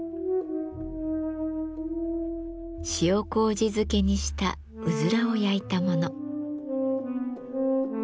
塩こうじ漬けにしたうずらを焼いたもの。